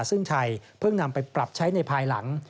ซึ่งไทยเพิ่งนำไปปรับใช้ในภายหลัง